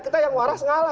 kita yang waras ngalah